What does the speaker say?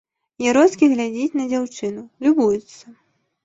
Яроцкі глядзіць на дзяўчыну, любуецца.